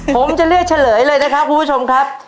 ผมจะเลือกเฉลยเลยนะครับคุณผู้ชมครับ